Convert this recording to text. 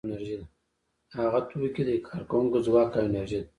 هغه توکي د کارکوونکو ځواک او انرژي ده